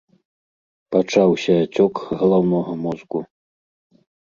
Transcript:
Пачаўся ацёк галаўнога мозгу.